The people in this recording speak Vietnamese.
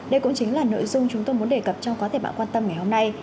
đây cũng chính là nội dung chúng tôi muốn đề cập trong có thể bạn quan tâm ngày hôm nay